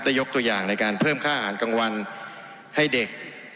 ยกตัวอย่างในการเพิ่มค่าอาหารกลางวันให้เด็ก